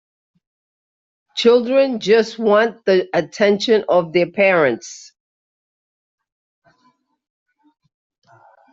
Children just want the attention of their parents.